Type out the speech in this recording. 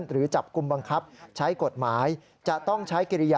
หรือจับกุมบังคับใช้กฎหมาย